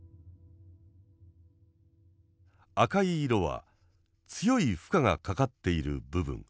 赤い色は強い負荷がかかっている部分。